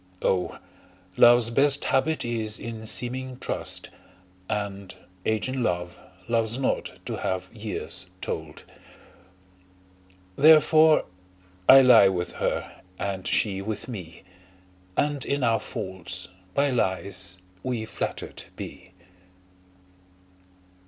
O! love's best habit is in seeming trust, And age in love, loves not to have years told: Therefore I lie with her, and she with me, And in our faults by lies we flatter'd be.